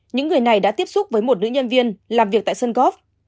những người này đã tiếp xúc với một nữ nhân viên làm việc tại sơn góp